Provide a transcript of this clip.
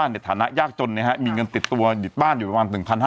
ใส่ไลโอซักอีกแล้ว